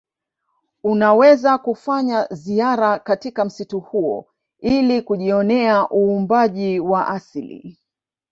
Unaweza kufanya ziara katika msitu huo ili kujionea uumbaji wa asili